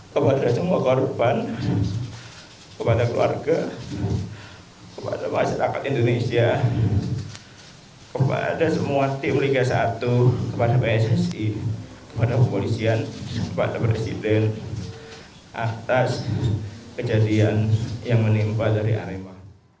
kepada semua korban kepada keluarga kepada masyarakat indonesia kepada semua tim liga satu kepada pssi kepada kepolisian kepada presiden atas kejadian yang menimpa dari arema